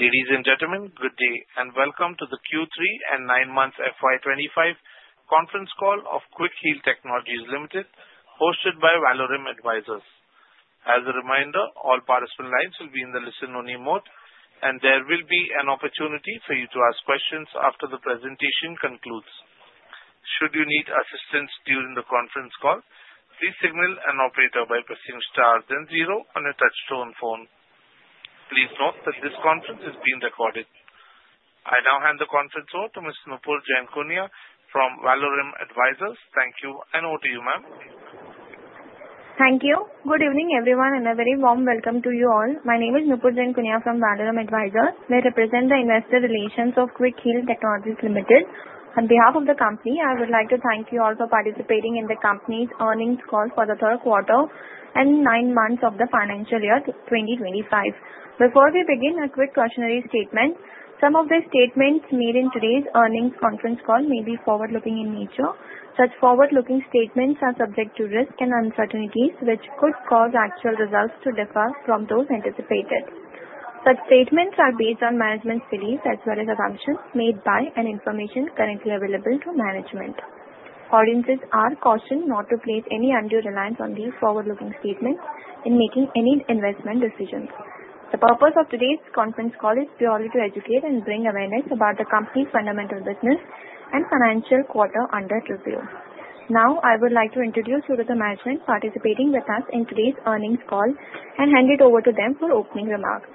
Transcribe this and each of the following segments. Ladies and gentlemen, good day and welcome to the Q3 and Nine Month FY 2025 Conference Call of Quick Heal Technologies Limited, hosted by Valorem Advisors. As a reminder, all participant lines will be in the listen-only mode, and there will be an opportunity for you to ask questions after the presentation concludes. Should you need assistance during the conference call, please signal an operator by pressing star then zero on your touch-tone phone. Please note that this conference is being recorded. I now hand the conference over to Ms. Nupur Jainkunia from Valorem Advisors. Thank you and over to you, ma'am. Thank you. Good evening, everyone, and a very warm welcome to you all. My name is Nupur Jainkunia from Valorem Advisors. I represent the investor relations of Quick Heal Technologies Limited. On behalf of the company, I would like to thank you all for participating in the company's earnings call for the third quarter and nine months of the financial year 2025. Before we begin, a quick cautionary statement. Some of the statements made in today's earnings conference call may be forward-looking in nature. Such forward-looking statements are subject to risk and uncertainties, which could cause actual results to differ from those anticipated. Such statements are based on management studies as well as assumptions made by and information currently available to management. Audiences are cautioned not to place any undue reliance on these forward-looking statements in making any investment decisions. The purpose of today's conference call is purely to educate and bring awareness about the company's fundamental business and financial quarter under review. Now, I would like to introduce you to the management participating with us in today's earnings call and hand it over to them for opening remarks.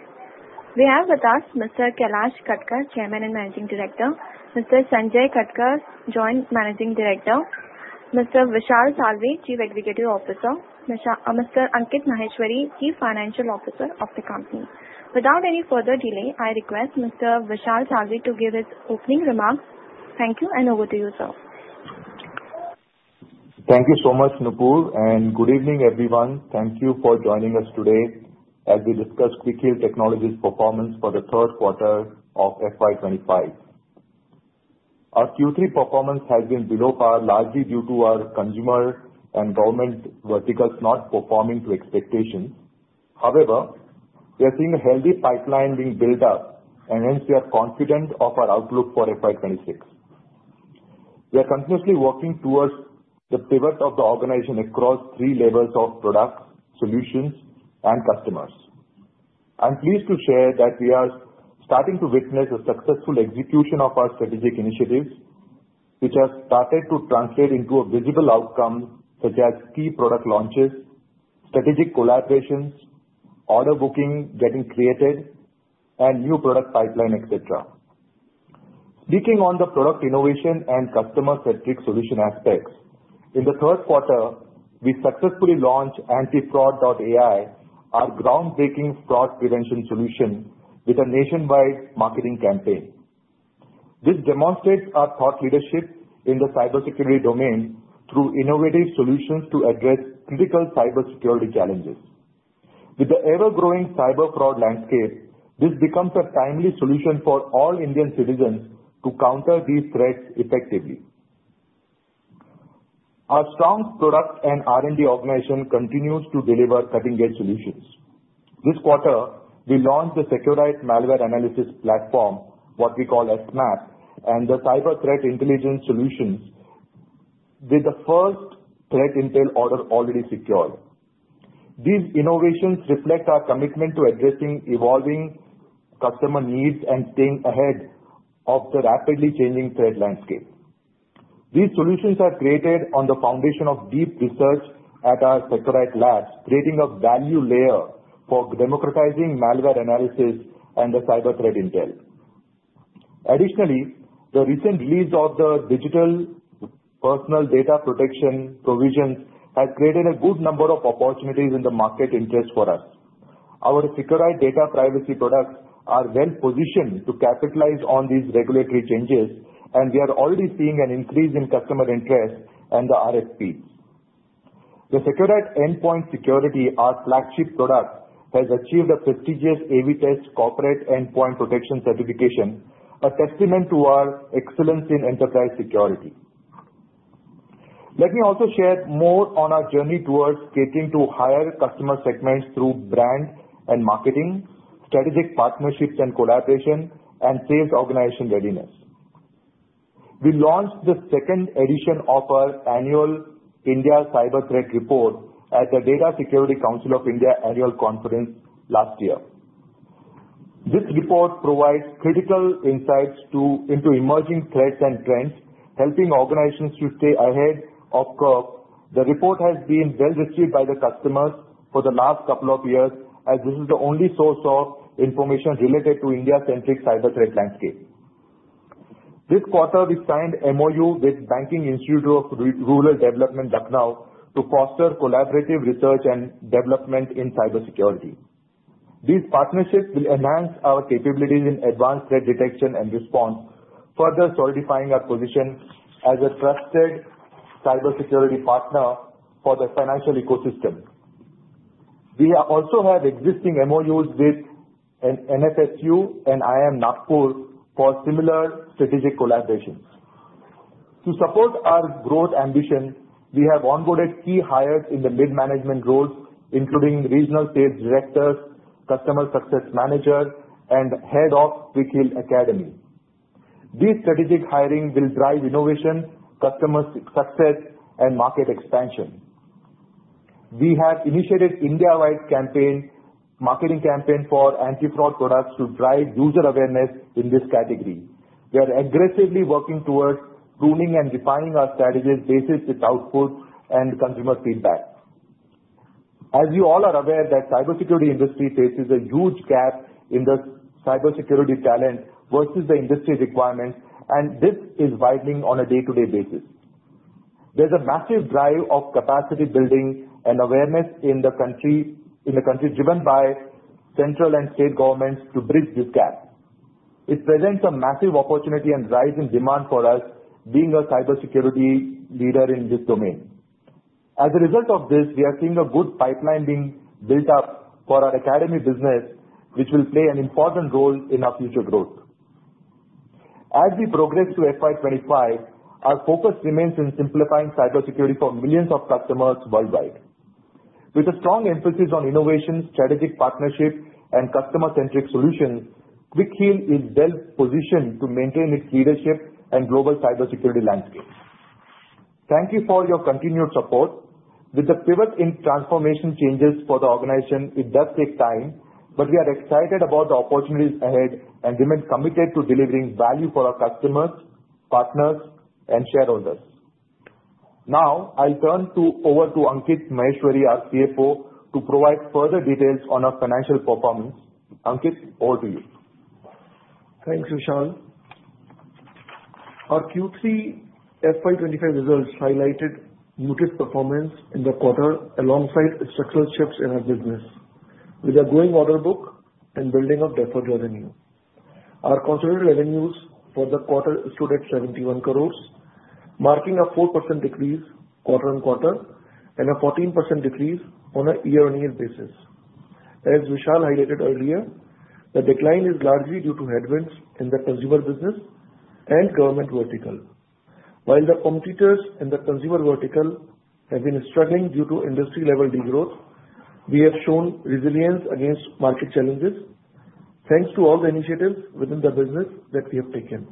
We have with us Mr. Kailash Katkar, Chairman and Managing Director, Mr. Sanjay Katkar, Joint Managing Director, Mr. Vishal Salvi, Chief Executive Officer, Mr. Ankit Maheshwari, Chief Financial Officer of the company. Without any further delay, I request Mr. Vishal Salvi to give his opening remarks. Thank you, and over to you, sir. Thank you so much, Nupur, and good evening, everyone. Thank you for joining us today as we discuss Quick Heal Technologies' performance for the third quarter of FY 2025. Our Q3 performance has been below par, largely due to our consumer and government verticals not performing to expectations. However, we are seeing a healthy pipeline being built up, and hence we are confident of our outlook for FY 2026. We are continuously working towards the pivot of the organization across three levels of products, solutions, and customers. I'm pleased to share that we are starting to witness a successful execution of our strategic initiatives, which have started to translate into visible outcomes such as key product launches, strategic collaborations, order booking getting created, and new product pipeline, et cetera. Speaking on the product innovation and customer-centric solution aspects, in the third quarter, we successfully launched AntiFraud.AI, our groundbreaking fraud prevention solution with a nationwide marketing campaign. This demonstrates our thought leadership in the cybersecurity domain through innovative solutions to address critical cybersecurity challenges. With the ever-growing cyber fraud landscape, this becomes a timely solution for all Indian citizens to counter these threats effectively. Our strong product and R&D organization continues to deliver cutting-edge solutions. This quarter, we launched the Seqrite Malware Analysis Platform, what we call SMAP, and the Cyber Threat Intelligence solutions with the first Threat Intel order already secured. These innovations reflect our commitment to addressing evolving customer needs and staying ahead of the rapidly changing threat landscape. These solutions are created on the foundation of deep research at our Seqrite Labs, creating a value layer for democratizing malware analysis and the Cyber Threat Intelligence. Additionally, the recent release of the Digital Personal Data Protection provisions has created a good number of opportunities in the market interest for us. Our Seqrite Data Privacy products are well-positioned to capitalize on these regulatory changes, and we are already seeing an increase in customer interest and the RFPs. The Seqrite Endpoint Security, our flagship product, has achieved a prestigious AV-TEST Corporate Endpoint Protection certification, a testament to our excellence in enterprise security. Let me also share more on our journey towards getting to higher customer segments through brand and marketing, strategic partnerships and collaboration, and sales organization readiness. We launched the second edition of our annual India Cyber Threat Report at the Data Security Council of India annual conference last year. This report provides critical insights into emerging threats and trends, helping organizations to stay ahead of curves. The report has been well-received by the customers for the last couple of years, as this is the only source of information related to India-centric cyber threat landscape. This quarter, we signed an MOU with the Banking Institute of Rural Development, Lucknow, to foster collaborative research and development in cybersecurity. These partnerships will enhance our capabilities in advanced threat detection and response, further solidifying our position as a trusted cybersecurity partner for the financial ecosystem. We also have existing MOUs with NFSU and IIM Nagpur for similar strategic collaborations. To support our growth ambition, we have onboarded key hires in the mid-management roles, including regional sales directors, customer success managers, and head of Quick Heal Academy. This strategic hiring will drive innovation, customer success, and market expansion. We have initiated an India-wide marketing campaign for anti-fraud products to drive user awareness in this category. We are aggressively working towards pruning and refining our strategies based on output and consumer feedback. As you all are aware, the cybersecurity industry faces a huge gap in the cybersecurity talent versus the industry requirements, and this is widening on a day-to-day basis. There is a massive drive of capacity building and awareness in the country driven by central and state governments to bridge this gap. It presents a massive opportunity and rising demand for us, being a cybersecurity leader in this domain. As a result of this, we are seeing a good pipeline being built up for our academy business, which will play an important role in our future growth. As we progress to FY 2025, our focus remains in simplifying cybersecurity for millions of customers worldwide. With a strong emphasis on innovation, strategic partnership, and customer-centric solutions, Quick Heal is well-positioned to maintain its leadership and global cybersecurity landscape. Thank you for your continued support. With the pivot in transformation changes for the organization, it does take time, but we are excited about the opportunities ahead and remain committed to delivering value for our customers, partners, and shareholders. Now, I'll turn over to Ankit Maheshwari, our CFO, to provide further details on our financial performance. Ankit, over to you. Thank you, Vishal. Our Q3 FY 2025 results highlighted muted performance in the quarter alongside structural shifts in our business with a growing order book and building of deferred revenue. Our consolidated revenues for the quarter stood at 71 crore, marking a 4% decrease quarter-on-quarter and a 14% decrease on a year-on-year basis. As Vishal highlighted earlier, the decline is largely due to headwinds in the consumer business and government vertical. While the competitors in the consumer vertical have been struggling due to industry-level degrowth, we have shown resilience against market challenges thanks to all the initiatives within the business that we have taken.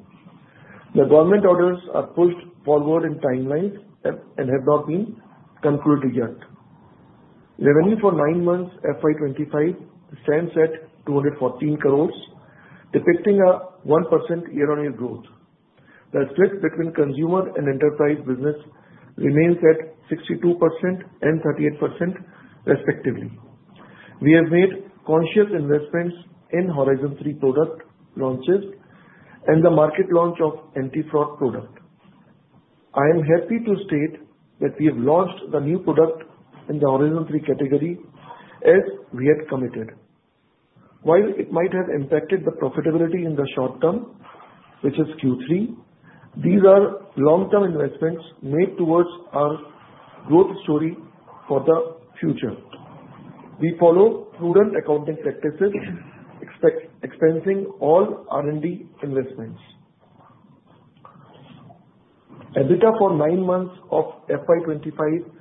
The government orders are pushed forward in timelines and have not been concluded yet. Revenue for nine months FY 2025 stands at 214 crore, depicting a 1% year-on-year growth. The split between consumer and enterprise business remains at 62% and 38%, respectively. We have made conscious investments in Horizon-3 product launches and the market launch of anti-fraud product. I am happy to state that we have launched the new product in the Horizon-3 category as we had committed. While it might have impacted the profitability in the short term, which is Q3, these are long-term investments made towards our growth story for the future. We follow prudent accounting practices, expensing all R&D investments. EBITDA for nine months of FY 2025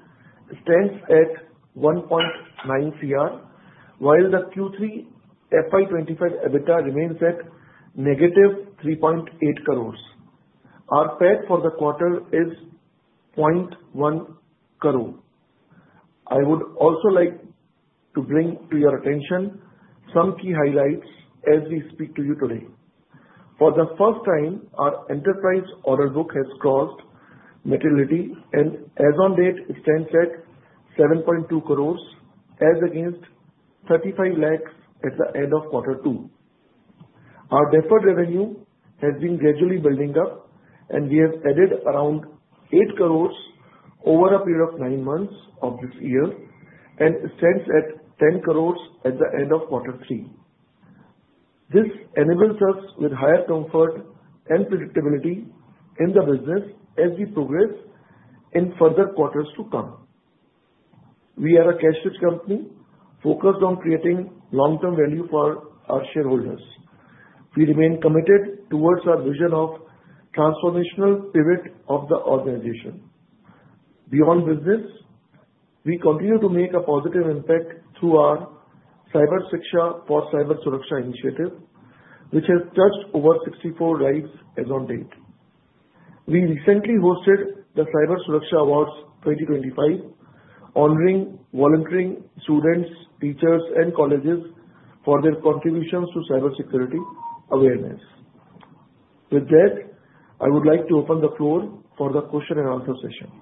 stands at 1.9 crore, while the Q3 FY 2025 EBITDA remains at -3.8 crore. Our PAT for the quarter is 0.1 crore. I would also like to bring to your attention some key highlights as we speak to you today. For the first time, our enterprise order book has crossed materiality and, as of date, it stands at 7.2 crore as against 0.35 lakh at the end of quarter two. Our deferred revenue has been gradually building up, and we have added around 8 crore over a period of nine months of this year and stands at 10 crore at the end of quarter three. This enables us with higher comfort and predictability in the business as we progress in further quarters to come. We are a cash-rich company focused on creating long-term value for our shareholders. We remain committed towards our vision of transformational pivot of the organization. Beyond business, we continue to make a positive impact through our Cyber Shiksha for Cyber Suraksha initiative, which has touched over 64 lives as of date. We recently hosted the Cyber Suraksha Awards 2025, honoring volunteering students, teachers, and colleges for their contributions to cybersecurity awareness. With that, I would like to open the floor for the question and answer session.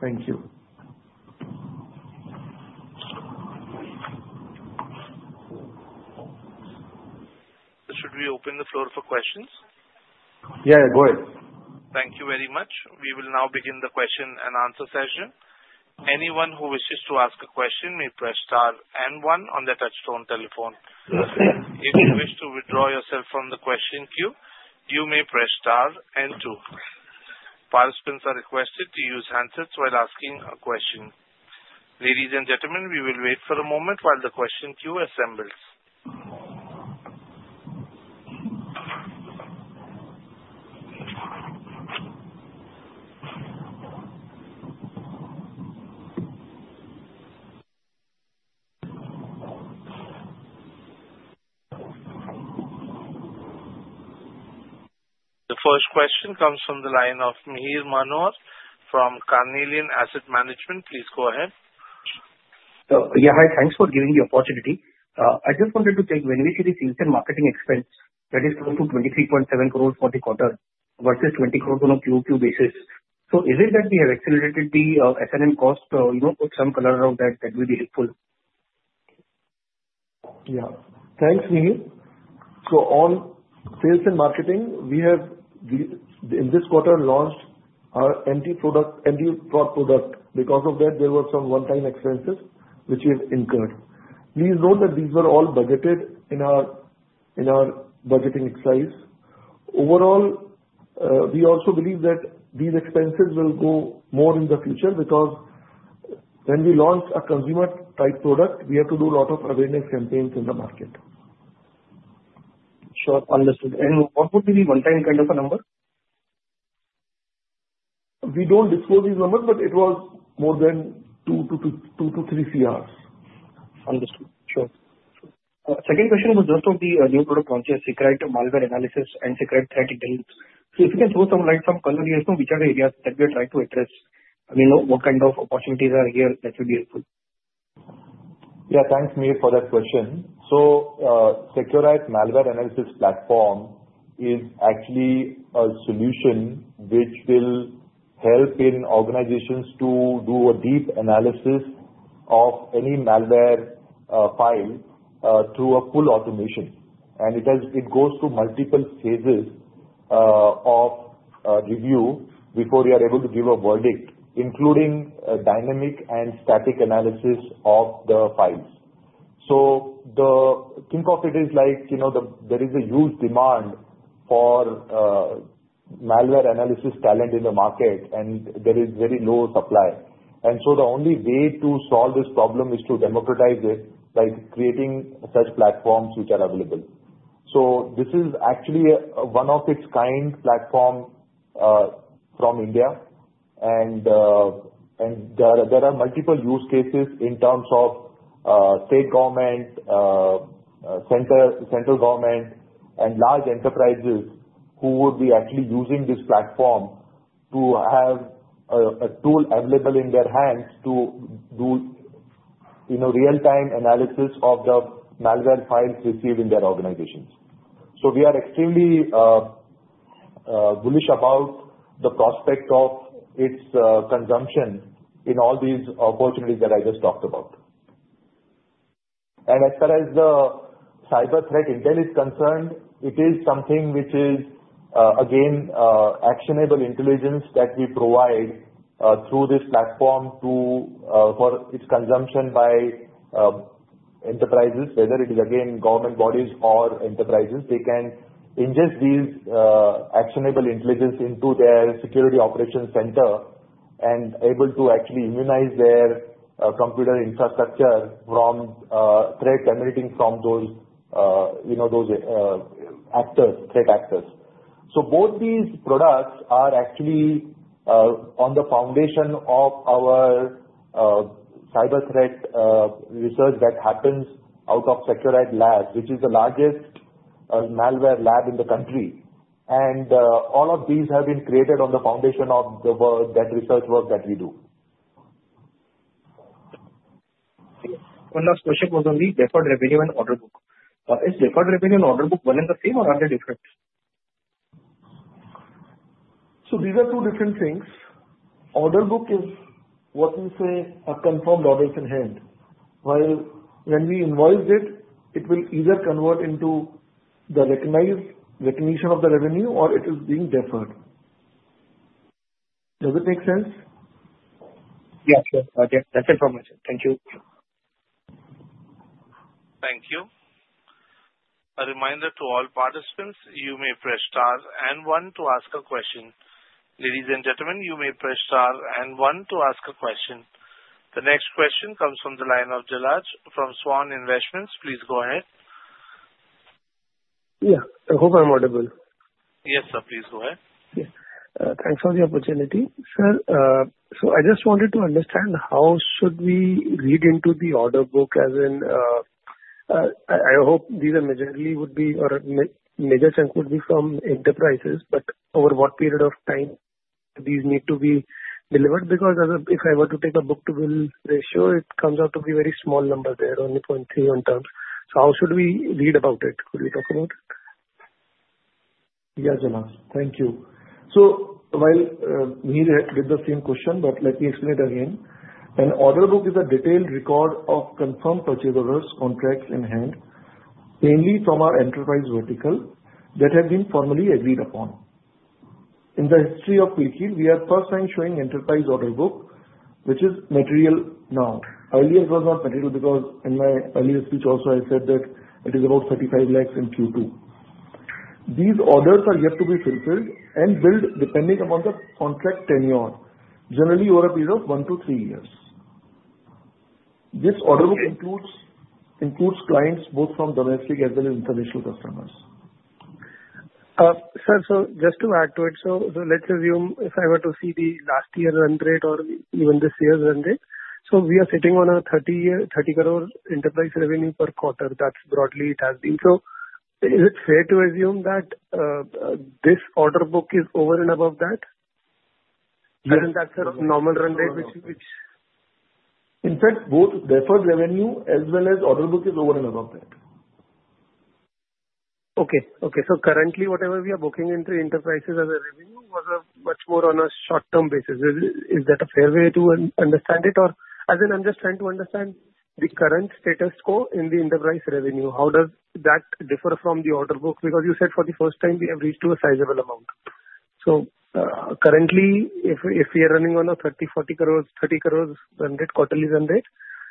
Thank you. Should we open the floor for questions? Yeah, yeah, go ahead. Thank you very much. We will now begin the question and answer session. Anyone who wishes to ask a question may press star and one on the touch-tone telephone. If you wish to withdraw yourself from the question queue, you may press star and two. Participants are requested to use handsets while asking a question. Ladies and gentlemen, we will wait for a moment while the question queue assembles. The first question comes from the line of Mihir Manohar from Carnelian Asset Management. Please go ahead. Yeah, hi. Thanks for giving the opportunity. I just wanted to check when we see this marketing expense that is close to 23.7 crore for the quarter versus 20 crore on a QoQ basis. Is it that we have accelerated the S&M cost? Put some color around that, that would be helpful. Yeah. Thanks, Mihir. On sales and marketing, we have, in this quarter, launched our anti-fraud product. Because of that, there were some one-time expenses which we have incurred. Please note that these were all budgeted in our budgeting size. Overall, we also believe that these expenses will go more in the future because when we launch a consumer-type product, we have to do a lot of awareness campaigns in the market. Sure. Understood. What would be the one-time kind of a number? We don't disclose these numbers, but it was more than 2-3 crore. Understood. Sure. Second question was just on the new product launches, Seqrite Malware Analysis, and Seqrite Threat Intel. If you can throw some light, some color here, which are the areas that we are trying to address? I mean, what kind of opportunities are here that would be helpful? Yeah, thanks, Mihir, for that question. Seqrite Malware Analysis Platform is actually a solution which will help organizations to do a deep analysis of any malware file through full automation. It goes through multiple phases of review before we are able to give a verdict, including dynamic and static analysis of the files. Think of it as there is a huge demand for malware analysis talent in the market, and there is very low supply. The only way to solve this problem is to democratize it by creating such platforms which are available. This is actually a one-of-its-kind platform from India, and there are multiple use cases in terms of state government, central government, and large enterprises who would be actually using this platform to have a tool available in their hands to do real-time analysis of the malware files received in their organizations. We are extremely bullish about the prospect of its consumption in all these opportunities that I just talked about. As far as the cyber threat intel is concerned, it is something which is, again, actionable intelligence that we provide through this platform for its consumption by enterprises, whether it is, again, government bodies or enterprises. They can ingest these actionable intelligence into their security operations center and be able to actually immunize their computer infrastructure from threats emanating from those [actors], [threat actors]. Both these products are actually on the foundation of our cyber threat research that happens out of Seqrite Labs, which is the largest malware lab in the country. All of these have been created on the foundation of that research work that we do. One last question was on the deferred revenue and order book. Is deferred revenue and order book one and the same, or are they different? These are two different things. Order book is what we say a confirmed order in hand. While when we invoice it, it will either convert into the recognition of the revenue or it is being deferred. Does it make sense? Yeah, sure. That's informative. Thank you. Thank you. A reminder to all participants, you may press star and one to ask a question. Ladies and gentlemen, you may press star and one to ask a question. The next question comes from the line of Jalaj from Svan Investments. Please go ahead. Yeah. I hope I'm audible. Yes, sir. Please go ahead. Yeah. Thanks for the opportunity, sir. I just wanted to understand how should we read into the order book as in I hope these are majorly would be or a major chunk would be from enterprises, but over what period of time do these need to be delivered? If I were to take a book-to-bill ratio, it comes out to be a very small number there, only 0.3 on terms. How should we read about it? Could we talk about it? Yeah, Jalaj. Thank you. While Mihir had read the same question, let me explain it again. An order book is a detailed record of confirmed purchase orders, contracts in hand, mainly from our enterprise vertical that have been formally agreed upon. In the history of Quick Heal, we are for the first time showing enterprise order book, which is material now. Earlier, it was not material because in my earlier speech also, I said that it is about 35 lakh in Q2. These orders are yet to be fulfilled and billed depending upon the contract tenure, generally over a period of one to three years. This order book includes clients both from domestic as well as international customers. Sir, just to add to it, let's assume if I were to see last year's run rate or even this year's run rate, we are sitting on a 30 crore enterprise revenue per quarter. That's broadly it has been. Is it fair to assume that this order book is over and above that? And. That's a normal run rate, which? In fact, both deferred revenue as well as order book is over and above that. Okay. Okay. Currently, whatever we are booking into enterprises as revenue was much more on a short-term basis. Is that a fair way to understand it? I am just trying to understand the current status quo in the enterprise revenue. How does that differ from the order book? You said for the first time we have reached a sizable amount. Currently, if we are running on a 30-40 crore, 30 crore run rate, quarterly run rate,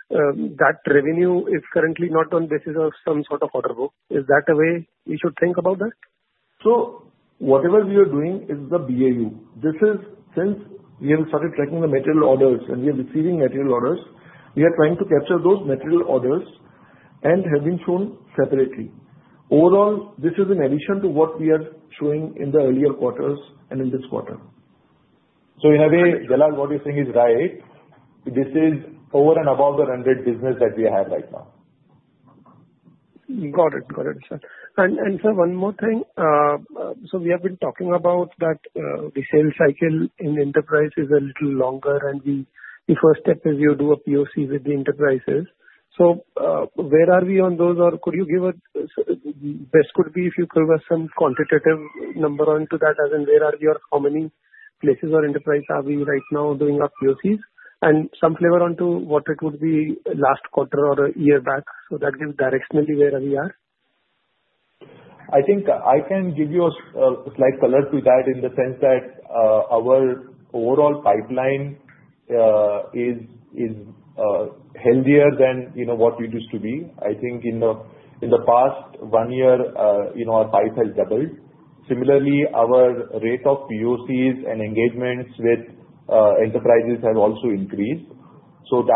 that revenue is currently not on the basis of some sort of order book. Is that a way we should think about that? Whatever we are doing is the BAU. Since we have started tracking the material orders and we are receiving material orders, we are trying to capture those material orders and have been shown separately. Overall, this is in addition to what we are showing in the earlier quarters and in this quarter. In a way, Jalaj, what you're saying is right. This is over and above the run rate business that we have right now. Got it. Got it, sir. Sir, one more thing. We have been talking about that the sales cycle in enterprise is a little longer, and the first step is you do a POC with the enterprises. Where are we on those? Could you give a best, could be if you give us some quantitative number onto that as in where are we or how many places or enterprise are we right now doing our POCs? Some flavor onto what it would be last quarter or a year back so that gives directionally where we are? I think I can give you a slight color to that in the sense that our overall pipeline is healthier than what it used to be. I think in the past one year, our pipe has doubled. Similarly, our rate of POCs and engagements with enterprises have also increased. We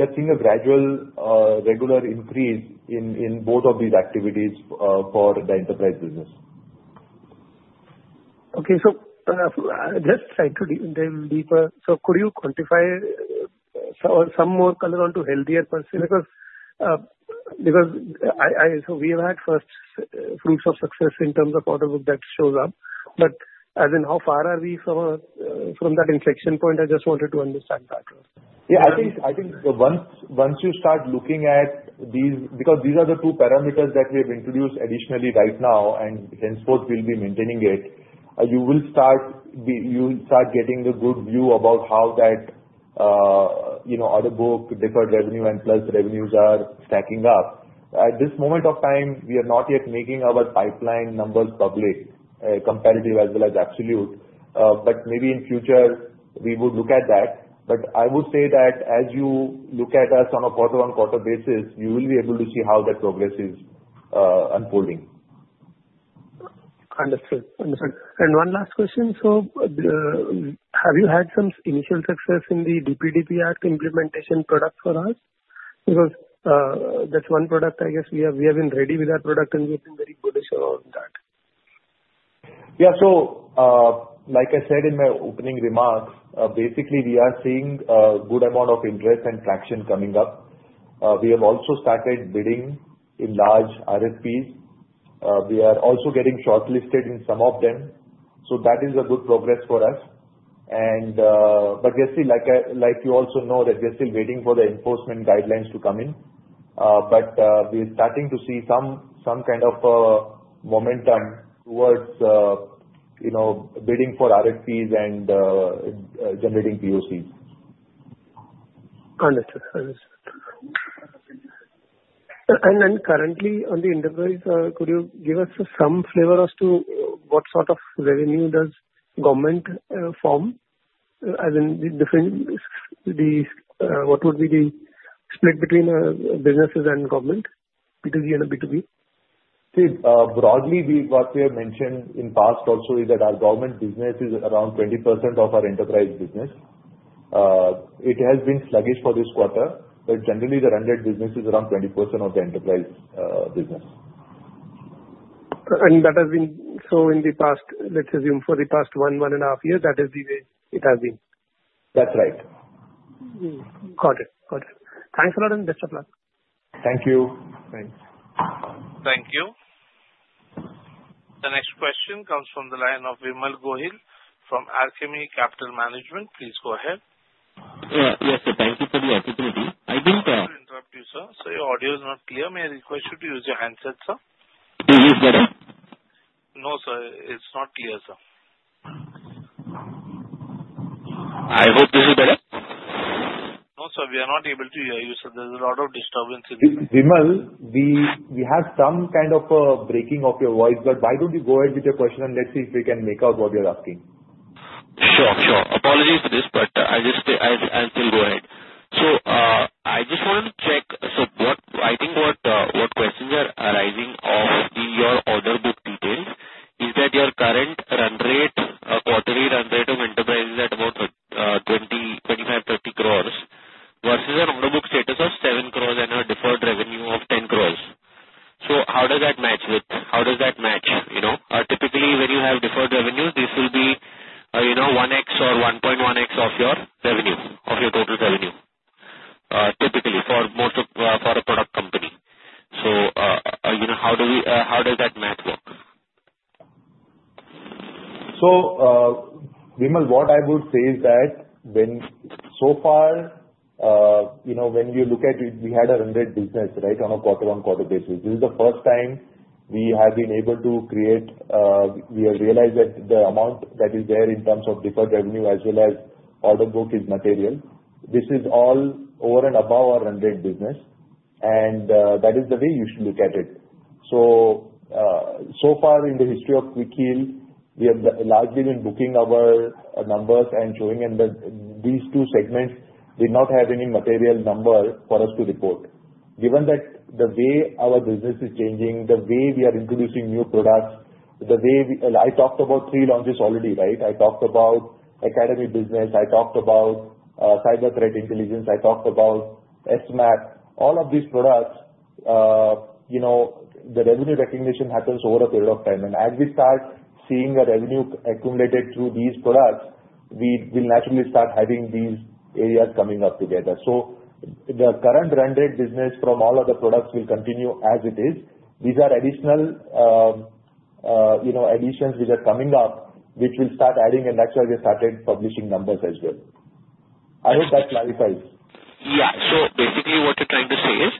are seeing a gradual, regular increase in both of these activities for the enterprise business. Okay. Just trying to dig deeper, could you quantify or add some more color onto [healthier] per se? Because we have had first fruits of success in terms of order book that shows up. As in, how far are we from that inflection point? I just wanted to understand that. Yeah. I think once you start looking at these because these are the two parameters that we have introduced additionally right now, and henceforth we'll be maintaining it, you will start getting a good view about how that order book, deferred revenue, and plus revenues are stacking up. At this moment of time, we are not yet making our pipeline numbers public, comparative as well as absolute. Maybe in future, we would look at that. I would say that as you look at us on a quarter-on-quarter basis, you will be able to see how that progress is unfolding. Understood. Understood. One last question. Have you had some initial success in the DPDP Act implementation product for us? Because that's one product I guess we have been ready with our product, and we have been very bullish around that. Yeah. Like I said in my opening remarks, basically, we are seeing a good amount of interest and traction coming up. We have also started bidding in large RFPs. We are also getting shortlisted in some of them. That is a good progress for us. Just like you also know, we are still waiting for the enforcement guidelines to come in. We are starting to see some kind of momentum towards bidding for RFPs and generating POCs. Understood. Understood. Currently, on the enterprise, could you give us some flavor as to what sort of revenue does government form? As in what would be the split between businesses and government, B2G and B2B? See, broadly, what we have mentioned in past also is that our government business is around 20% of our enterprise business. It has been sluggish for this quarter, but generally, the run rate business is around 20% of the enterprise business. That has been so in the past. Let's assume for the past one, one and a half years, that is the way it has been? That's right. Got it. Got it. Thanks a lot and best of luck. Thank you. Thanks. Thank you. The next question comes from the line of Vimal Gohil from Alchemy Capital Management. Please go ahead. Yes, sir. Thank you for the opportunity. I think. Interrupt you, sir. Your audio is not clear. May I request you to use your handset, sir? Is this better? No, sir. It's not clear, sir. I hope this is better. No, sir. We are not able to hear you, sir. There is a lot of disturbance in the. Vimal, we have some kind of breaking of your voice, but why don't you go ahead with your question and let's see if we can make out what you're asking. Sure. Sure. Apologies for this, but I'll still go ahead. I just wanted to check. I think what questions are arising of your order book details is that your current run rate, quarterly run rate of enterprise is at about 25-30 crores versus an order book status of 7 crores and a deferred revenue of 10 crores. How does that match with how does that match? Typically, when you have deferred revenue, this will be 1x or 1.1x of your revenue, of your total revenue, typically for a product company. How does that math work? Vimal, what I would say is that so far, when you look at it, we had a run rate business, right, on a quarter-on-quarter basis. This is the first time we have been able to create, we have realized that the amount that is there in terms of deferred revenue as well as order book is material. This is all over and above our run rate business, and that is the way you should look at it. So far, in the history of Quick Heal, we have largely been booking our numbers and showing that these two segments did not have any material number for us to report. Given that the way our business is changing, the way we are introducing new products, the way I talked about three launches already, right? I talked about academy business. I talked about Cyber Threat Intelligence. I talked about SMAP. All of these products, the revenue recognition happens over a period of time. As we start seeing the revenue accumulated through these products, we will naturally start having these areas coming up together. The current run rate business from all of the products will continue as it is. These are additional additions which are coming up, which will start adding, and that's why we started publishing numbers as well. I hope that clarifies. Yeah. Basically, what you're trying to say is,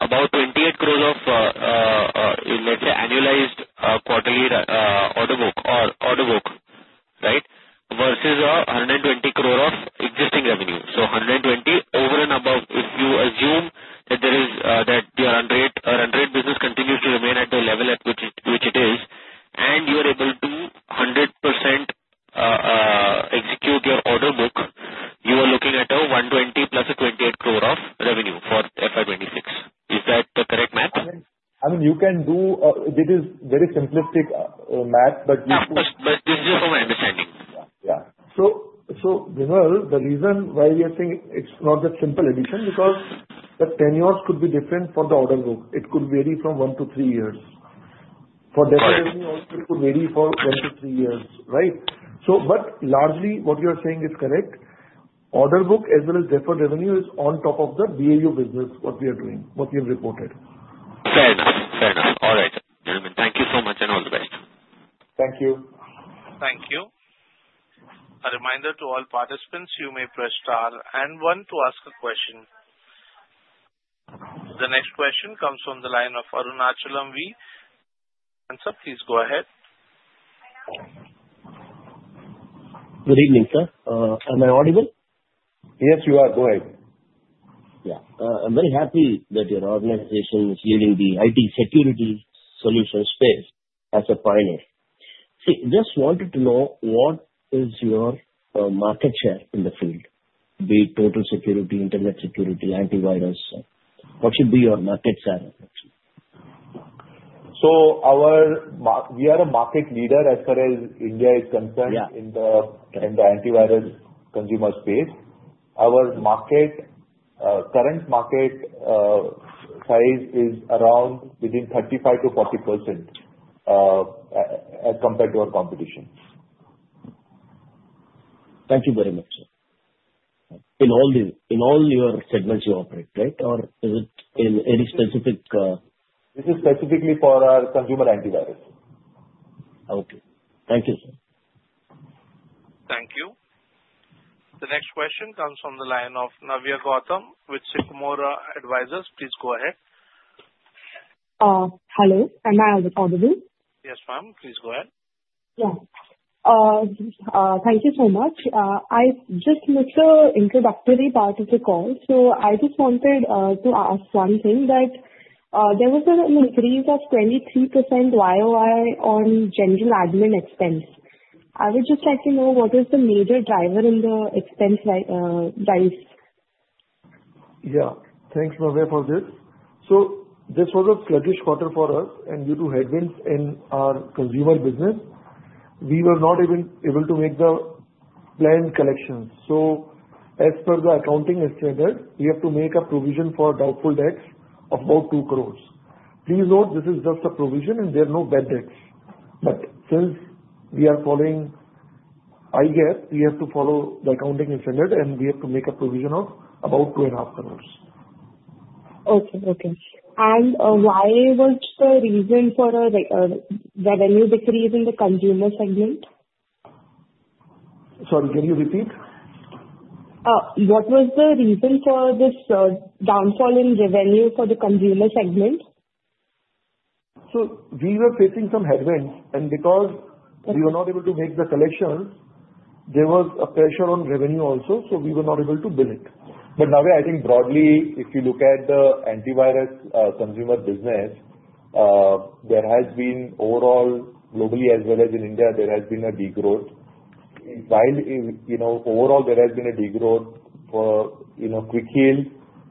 about 28 crore of, let's say, annualized quarterly order book or order book, right, versus 120 crore of existing revenue. 120 crore over and above, if you assume that your run rate business continues to remain at the level at which it is, and you are able to 100% execute your order book, you are looking at a 120 crore plus a 28 crore of revenue for FY 2026. Is that the correct math? I mean, you can do this, it is very simplistic math, but you should. Yeah, this is just for my understanding. Yeah. Vimal, the reason why we are saying it's not that simple addition is because the tenures could be different for the order book. It could vary from one to three years. For deferred revenue, it could vary for one to three years, right? Largely, what you are saying is correct. Order book as well as deferred revenue is on top of the BAU business, what we are doing, what we have reported. Fair. Fair. All right. Gentlemen, thank you so much, and all the best. Thank you. Thank you. A reminder to all participants, you may press star and one to ask a question. The next question comes from the line of [Arunachalam V]. Answer, please go ahead. Good evening, sir. Am I audible? Yes, you are. Go ahead. Yeah. I'm very happy that your organization is leading the IT security solution space as a pioneer. Just wanted to know what is your market share in the field, be it total security, internet security, antivirus? What should be your market share? We are a market leader as far as India is concerned in the antivirus consumer space. Our current market size is around within 35%-40% as compared to our competition. Thank you very much, sir. In all your segments you operate, right? Or is it in any specific? This is specifically for our consumer antivirus. Okay. Thank you, sir. Thank you. The next question comes from the line of Navya Gautam with Sicomoro Advisors. Please go ahead. Hello. Am I audible? Yes, ma'am. Please go ahead. Yeah. Thank you so much. I just missed the introductory part of the call. I just wanted to ask one thing, that there was an increase of 23% YoY on general admin expense. I would just like to know what is the major driver in the expense rise? Yeah. Thanks, Navya, for this. This was a sluggish quarter for us, and due to headwinds in our consumer business, we were not even able to make the planned collections. As per the accounting standard, we have to make a provision for doubtful debts of about 2 crore. Please note, this is just a provision, and there are no bad debts. Since we are following, I guess we have to follow the accounting standard, and we have to make a provision of about 2.5 crore. Okay. Okay. What was the reason for a revenue decrease in the consumer segment? Sorry, can you repeat? What was the reason for this downfall in revenue for the consumer segment? We were facing some headwinds, and because we were not able to make the collections, there was a pressure on revenue also, so we were not able to bill it. Navya, I think broadly, if you look at the antivirus consumer business, there has been overall, globally as well as in India, there has been a degrowth. While overall, there has been a degrowth, Quick Heal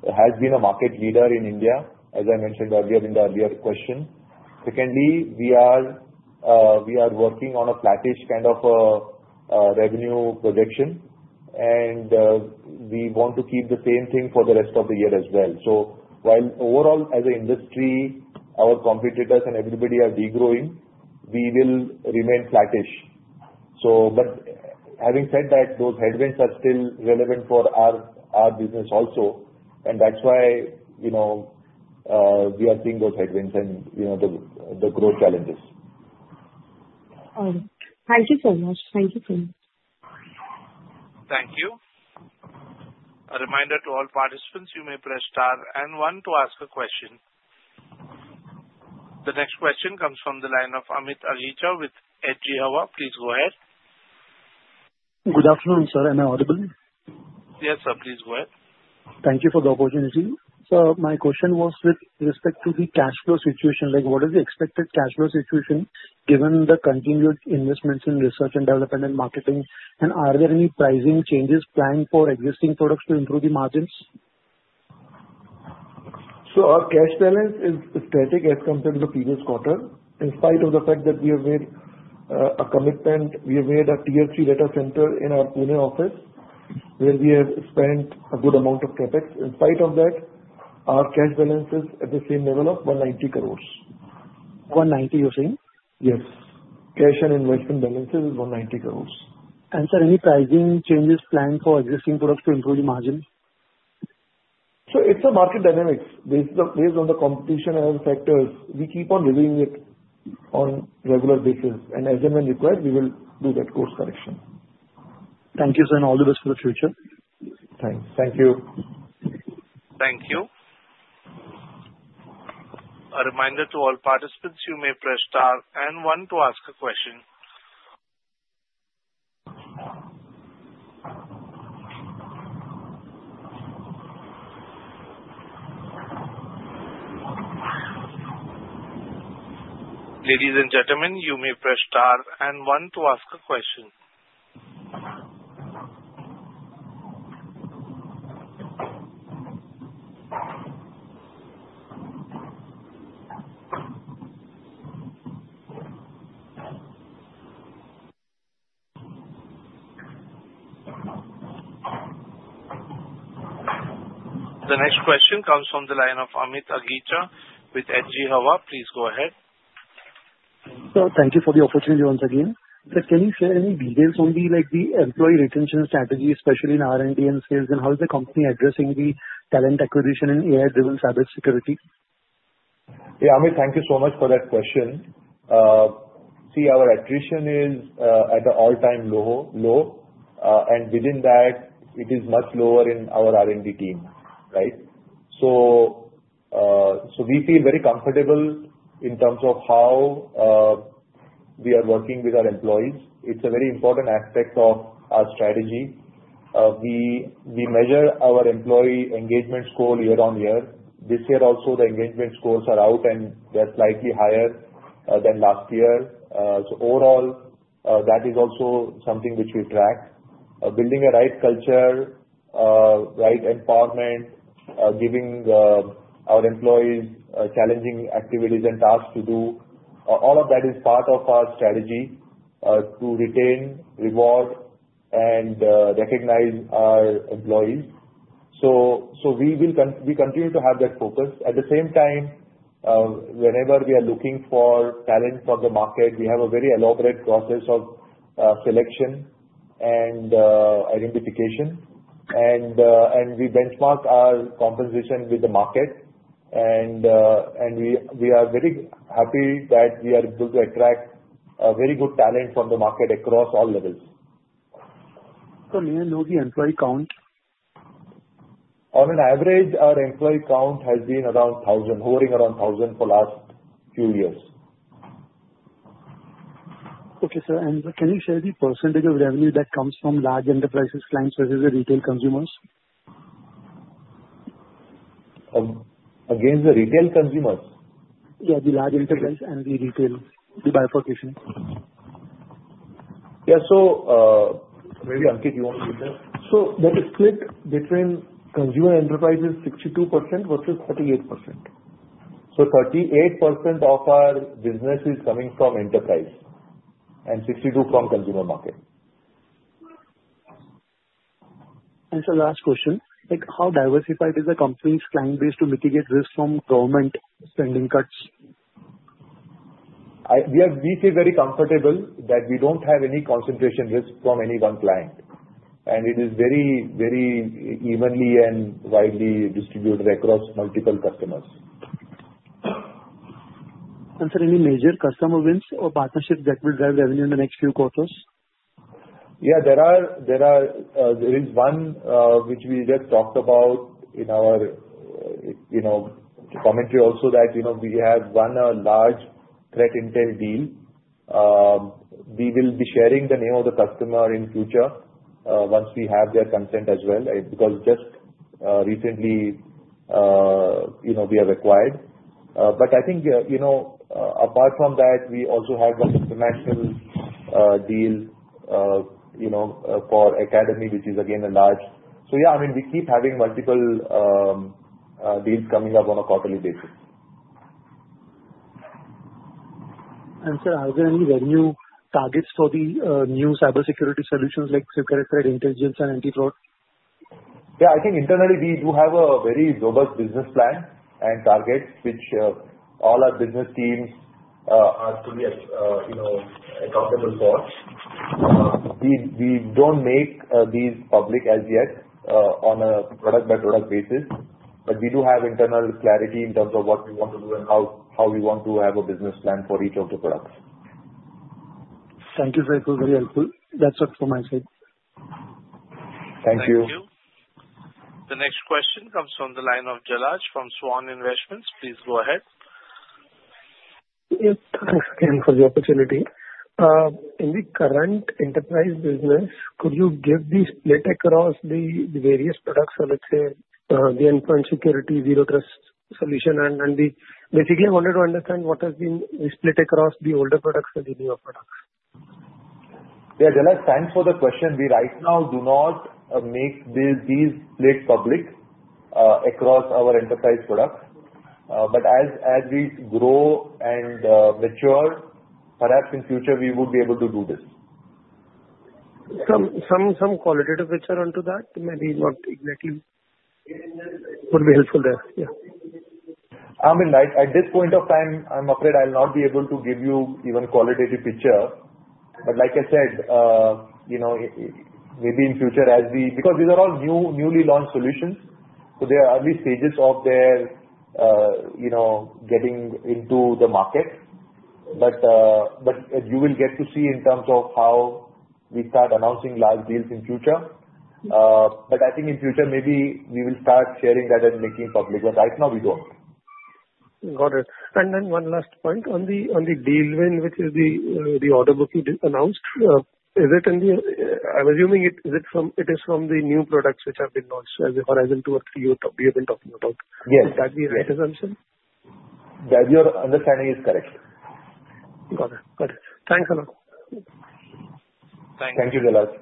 has been a market leader in India, as I mentioned earlier in the earlier question. Secondly, we are working on a flattish kind of revenue projection, and we want to keep the same thing for the rest of the year as well. While overall, as an industry, our competitors and everybody are degrowing, we will remain flattish. Having said that, those headwinds are still relevant for our business also, and that's why we are seeing those headwinds and the growth challenges. Thank you so much. Thank you. A reminder to all participants, you may press star and one to ask a question. The next question comes from the line of Amit Agicha with HG Hawa. Please go ahead. Good afternoon, sir. Am I audible? Yes, sir. Please go ahead. Thank you for the opportunity. My question was with respect to the cash flow situation. What is the expected cash flow situation given the continued investments in research and development and marketing? Are there any pricing changes planned for existing products to improve the margins? Our cash balance is static as compared to the previous quarter. In spite of the fact that we have made a commitment, we have made a Tier 3 data center in our Pune office where we have spent a good amount of CapEx. In spite of that, our cash balance is at the same level of 190 crore. 190, you're saying? Yes. Cash and investment balances is 190 crores. Sir, any pricing changes planned for existing products to improve the margins? It is a market dynamics. Based on the competition and other factors, we keep on reviewing it on a regular basis. As and when required, we will do that course correction. Thank you, sir. All the best for the future. Thanks. Thank you. Thank you. A reminder to all participants, you may press star and one to ask a question. Ladies and gentlemen, you may press star and one to ask a question. The next question comes from the line of Amit Agicha with HG Hawa. Please go ahead. Sir, thank you for the opportunity once again. Sir, can you share any details on the employee retention strategy, especially in R&D and sales, and how is the company addressing the talent acquisition and AI-driven cybersecurity? Yeah, Amit, thank you so much for that question. See, our attrition is at an all-time low, and within that, it is much lower in our R&D team, right? We feel very comfortable in terms of how we are working with our employees. It's a very important aspect of our strategy. We measure our employee engagement score year-on-year. This year also, the engagement scores are out, and they're slightly higher than last year. Overall, that is also something which we track. Building a right culture, right empowerment, giving our employees challenging activities and tasks to do, all of that is part of our strategy to retain, reward, and recognize our employees. We continue to have that focus. At the same time, whenever we are looking for talent from the market, we have a very elaborate process of selection and identification, we benchmark our compensation with the market. We are very happy that we are able to attract very good talent from the market across all levels. Sir, may I know the employee count? On an average, our employee count has been around 1,000, hovering around 1,000 for the last few years. Okay, sir. Can you share the percentage of revenue that comes from large enterprises clients versus the retail consumers? Again, the retail consumers? Yeah, the large enterprise and the retail, the bifurcation. Yeah. Maybe Ankit, you want to do this? There is a split between consumer enterprises, 62% versus 48%. 48% of our business is coming from enterprise and 62% from consumer market. Sir, last question. How diversified is the company's client base to mitigate risk from government spending cuts? We feel very comfortable that we don't have any concentration risk from any one client, and it is very evenly and widely distributed across multiple customers. Sir, any major customer wins or partnerships that will drive revenue in the next few quarters? Yeah. There is one which we just talked about in our commentary also that we have won a large threat intel deal. We will be sharing the name of the customer in future once we have their consent as well because just recently, we have acquired. I think apart from that, we also have an international deal for academy, which is again a large. Yeah, I mean, we keep having multiple deals coming up on a quarterly basis. Sir, are there any revenue targets for the new cybersecurity solutions like security threat intelligence and anti-fraud? Yeah. I think internally, we do have a very robust business plan and targets which all our business teams are to be accountable for. We do not make these public as yet on a product-by-product basis, but we do have internal clarity in terms of what we want to do and how we want to have a business plan for each of the products. Thank you very helpful. That's it from my side. Thank you. Thank you. The next question comes from the line of Jalaj from Svan Investments. Please go ahead. Thanks again for the opportunity. In the current enterprise business, could you give the split across the various products, so let's say the Endpoint Security, zero-trust solution, and basically, I wanted to understand what has been the split across the older products and the newer products? Yeah, Jalaj, thanks for the question. We right now do not make these splits public across our enterprise products. As we grow and mature, perhaps in future, we would be able to do this. Some qualitative picture onto that, maybe not exactly would be helpful there. Yeah. I mean, at this point of time, I'm afraid I'll not be able to give you even qualitative picture. Like I said, maybe in future, as we, because these are all newly launched solutions, so they are early stages of their getting into the market. You will get to see in terms of how we start announcing large deals in future. I think in future, maybe we will start sharing that and making public. Right now, we don't. Got it. One last point. On the deal win, which is the order book you announced, is it in the, I'm assuming it is from the new products which have been launched as a Horizon-2 or 3 that we have been talking about. Is that the right assumption? Yes, that your understanding is correct. Got it. Got it. Thanks a lot. Thank you, Jalaj.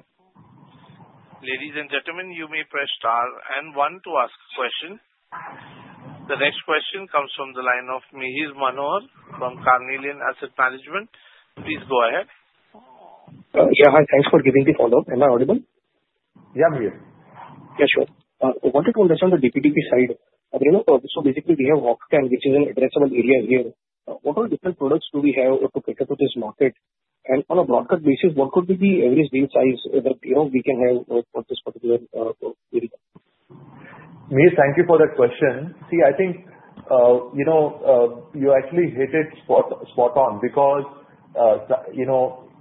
Ladies and gentlemen, you may press star and one to ask a question. The next question comes from the line of Mihir Manohar from Carnelian Asset Management. Please go ahead. Yeah. Hi. Thanks for giving the follow-up. Am I audible? Yeah, Mihir. Yeah, sure. I wanted to understand the DPDP side. Basically, we have which is an addressable area here. What are the different products do we have to cater to this market? On a broadcast basis, what could be the average deal size that we can have for this particular area? Mihir, thank you for that question. I think you actually hit it spot on because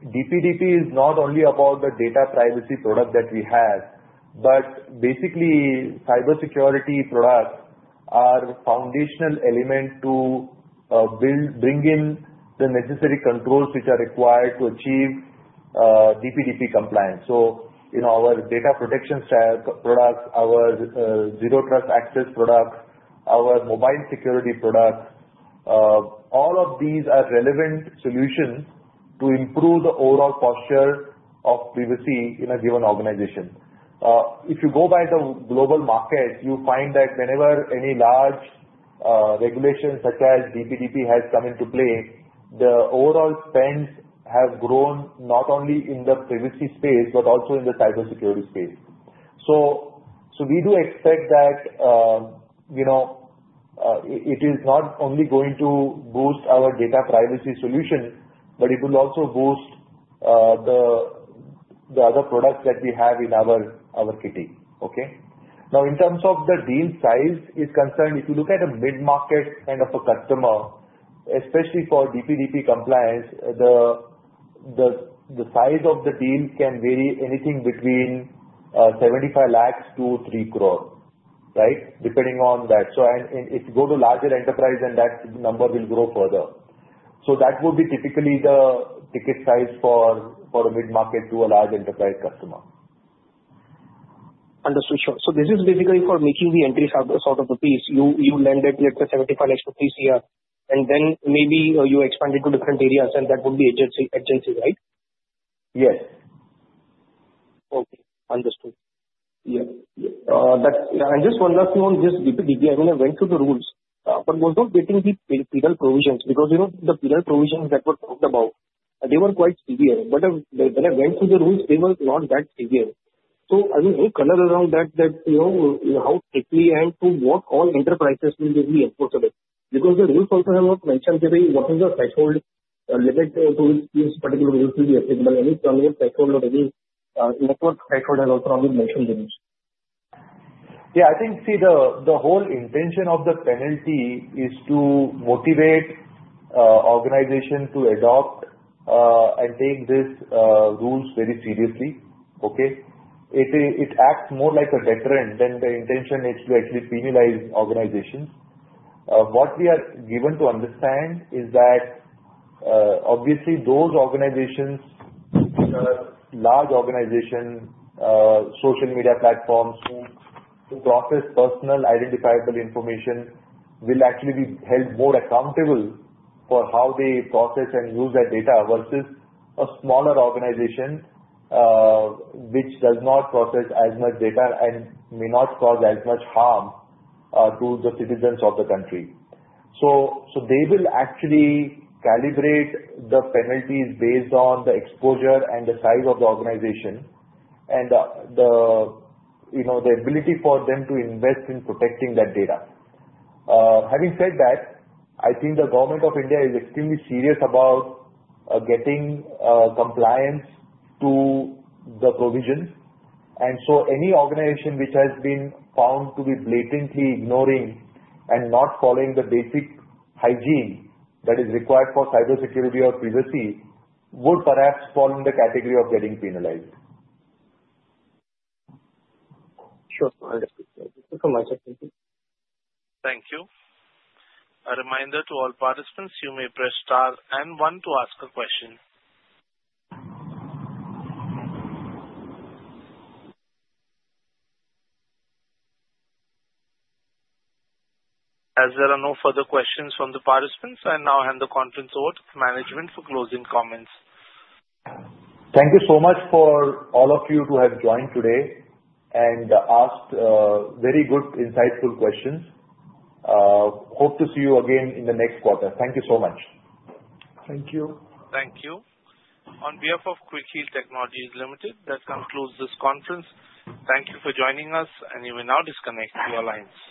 DPDP is not only about the data privacy product that we have, but basically, cybersecurity products are foundational elements to bring in the necessary controls which are required to achieve DPDP compliance. Our data protection products, our zero-trust access products, our mobile security products, all of these are relevant solutions to improve the overall posture of privacy in a given organization. If you go by the global market, you find that whenever any large regulation such as DPDP has come into play, the overall spends have grown not only in the privacy space but also in the cybersecurity space. We do expect that it is not only going to boost our data privacy solution, but it will also boost the other products that we have in our [kitty]. Okay? Now, in terms of the deal size is concerned, if you look at a mid-market kind of a customer, especially for DPDP compliance, the size of the deal can vary anything between 75 lakhs to 3 crore, right, depending on that. If you go to larger enterprise, then that number will grow further. That would be typically the ticket size for a mid-market to a large enterprise customer. Understood. This is basically for making the entry, sort of the piece. You lend it, let's say, 75 lakhs rupees per piece here, and then maybe you expand it to different areas, and that would be agencies, right? Yes. Okay. Understood. Yeah. And just one last thing on this DPDP. I mean, I went through the rules, but was not getting the penal provisions because the penal provisions that were talked about, they were quite severe. But when I went through the rules, they were not that severe. I mean, any color around that, how tightly and to what all enterprises will be enforceable because the rules also have not mentioned what is the threshold limit to which these particular rules will be applicable. Any threshold or any network threshold has also not been mentioned in this. Yeah. I think, see, the whole intention of the penalty is to motivate organizations to adopt and take these rules very seriously. Okay? It acts more like a deterrent than the intention is to actually penalize organizations. What we are given to understand is that, obviously, those organizations, large organizations, social media platforms who process personal identifiable information will actually be held more accountable for how they process and use that data versus a smaller organization which does not process as much data and may not cause as much harm to the citizens of the country. They will actually calibrate the penalties based on the exposure and the size of the organization and the ability for them to invest in protecting that data. Having said that, I think the government of India is extremely serious about getting compliance to the provision. Any organization which has been found to be blatantly ignoring and not following the basic hygiene that is required for cybersecurity or privacy would perhaps fall in the category of getting penalized. Sure. I understood. Thank you so much. Thank you. Thank you. A reminder to all participants, you may press star and one to ask a question. As there are no further questions from the participants, I now hand the conference over to management for closing comments. Thank you so much for all of you to have joined today and asked very good, insightful questions. Hope to see you again in the next quarter. Thank you so much. Thank you. Thank you. On behalf of Quick Heal Technologies Limited, that concludes this conference. Thank you for joining us, and you may now disconnect your lines.